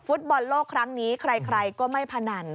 ฟุตบอลโลกครั้งนี้ใครก็ไม่พนัน